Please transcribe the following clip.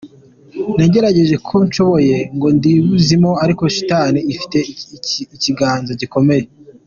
"Nagerageje uko nshoboye ngo ndiburizemo, ariko shitani ifite ikiganza gikomeye.